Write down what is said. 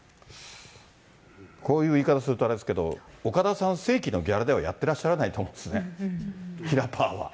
こういう言い方するとあれですけど、岡田さん、正規のギャラではやってらっしゃらないと思うんですね、ひらパーは。